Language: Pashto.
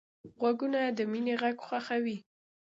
غوږونه د مینې غږ خوښوي